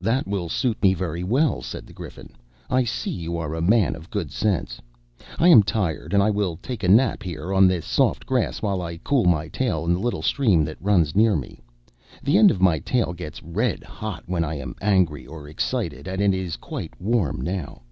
"That will suit me very well," said the Griffin. "I see you are a man of good sense. I am tired, and I will take a nap here on this soft grass, while I cool my tail in the little stream that runs near me. The end of my tail gets red hot when I am angry or excited, and it is quite warm now.